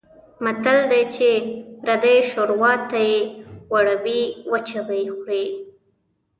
متل دی: چې پردۍ شوروا ته یې وړوې وچه به یې خورې.